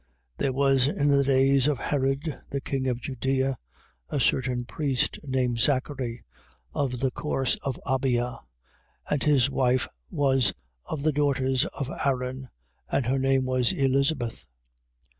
1:5. There was in the days of Herod, the king of Judea, a certain priest named Zachary, of the course of Abia: and his wife was of the daughters of Aaron, and her name Elizabeth.